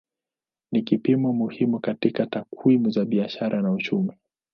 Ni kipimo muhimu katika takwimu za biashara na uchumi.